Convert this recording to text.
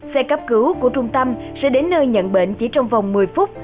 xe cấp cứu của trung tâm sẽ đến nơi nhận bệnh chỉ trong vòng một mươi phút